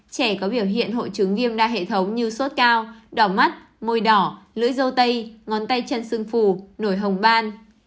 trẻ có biểu hiện hội chứng viêm đa hệ thống như sốt cao đỏ mắt môi đỏ lưỡi dâu tay ngón tay chân xương phù nổi hồng ban